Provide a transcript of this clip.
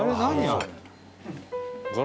あれ。